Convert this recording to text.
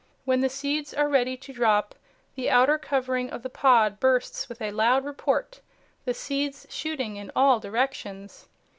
When the seeds are ready to drop the outer covering of the pod bursts with a loud report, the seeds shooting in all directions.